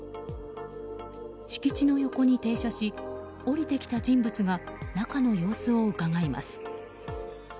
敷地の横に停車し降りてきた人物が中の様子をうかがいます。